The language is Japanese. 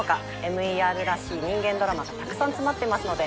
ＭＥＲらしい人間ドラマがたくさん詰まってますので